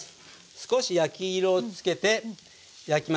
少し焼き色をつけて焼きます。